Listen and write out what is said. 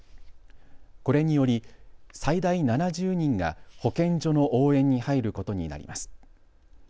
これにより最大７０人が保健所の応援に入ることになります。